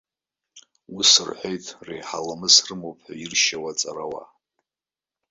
Ус рҳәеит реиҳа ламыс рымоуп ҳәа иршьауа аҵарауаа.